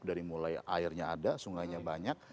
dari mulai airnya ada sungainya banyak